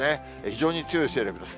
非常に強い勢力です。